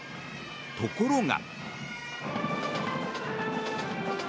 ところが。